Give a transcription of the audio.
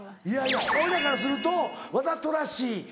いやいや俺らからするとわざとらしい。